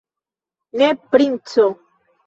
Ne, princo!